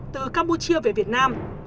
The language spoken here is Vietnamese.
từ campuchia về việt nam